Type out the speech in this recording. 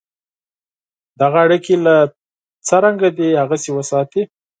دغه اړیکي لکه څرنګه دي هغسې وساتې.